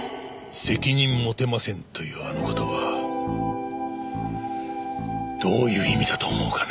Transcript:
責任持てませんというあの言葉どういう意味だと思うかね？